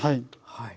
はい。